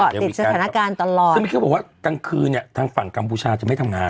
ติดสถานการณ์ตลอดซึ่งมีเขาบอกว่ากลางคืนเนี่ยทางฝั่งกัมพูชาจะไม่ทำงาน